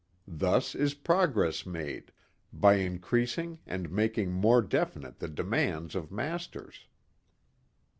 Thus is progress made by increasing and making more definite the demands of masters.